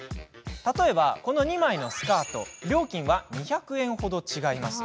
例えば、この２枚のスカート料金は２００円ほど違います。